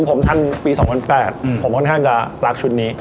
ผมทันปีสองพันแปดอืมผมค่อนข้างจะรักชุดนี้